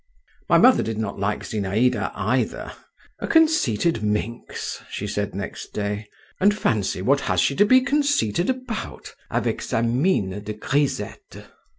My mother did not like Zinaïda either. "A conceited minx," she said next day. "And fancy, what she has to be conceited about, avec sa mine de grisette!"